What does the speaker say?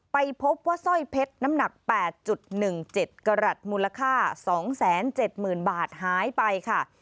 ไปพบว่าสร้อยเพชรน้ำหนัก๘๑๗กรัฐมูลค่า๒๗๐๐๐บาทหายไปค่ะ